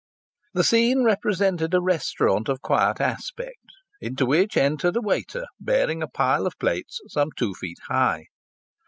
The scene represented a restaurant of quiet aspect, into which entered a waiter bearing a pile of plates some two feet high.